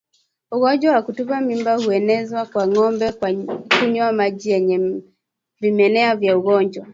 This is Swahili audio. Ugonjwa wa kutupa mimba huenezwa kwa ngombe kwa kunywa maji yenye vimelea vya ugonjwa